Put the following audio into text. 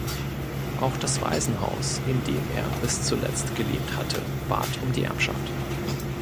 Auch das Waisenhaus, in dem er bis zuletzt gelebt hatte, bat um die Erbschaft.